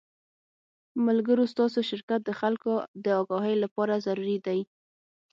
ملګرو ستاسو شرکت د خلکو د اګاهۍ له پاره ضروري دے